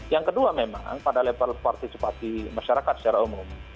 yang kedua memang pada level partisipasi masyarakat secara umum